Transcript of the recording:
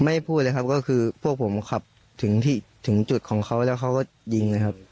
พูดเลยครับก็คือพวกผมขับถึงจุดของเขาแล้วเขาก็ยิงเลยครับ